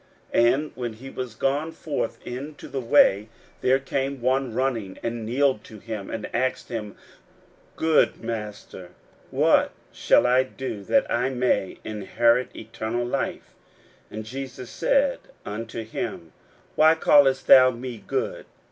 41:010:017 And when he was gone forth into the way, there came one running, and kneeled to him, and asked him, Good Master, what shall I do that I may inherit eternal life? 41:010:018 And Jesus said unto him, Why callest thou me good?